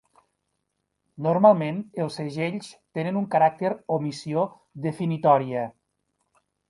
Normalment, els segells tenen un caràcter o missió definitòria.